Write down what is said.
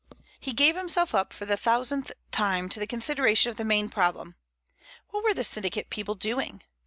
He gave himself up for the thousandth time to the consideration of the main problem. What were the syndicate people doing?